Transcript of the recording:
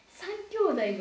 ３きょうだいだよ。